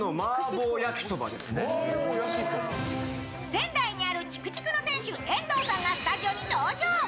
仙台にある竹竹の店主遠藤さんがスタジオに登場。